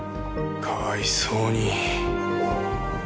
かわいそうに。